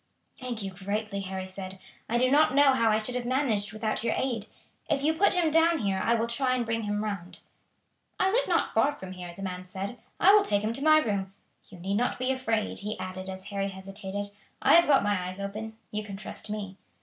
"Thank you greatly," Harry said. "I do not know how I should have managed without your aid. If you put him down here I will try and bring him round." "I live not far from here," the man said. "I will take him to my room. You need not be afraid," he added as Harry hesitated, "I have got my eyes open, you can trust me."